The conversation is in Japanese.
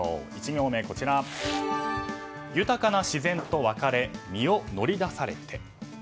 １行目は、豊かな自然と別れ身を乗り出されて。